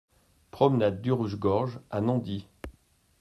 Promenade du Rouge Gorge à Nandy